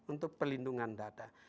untuk pelindungan data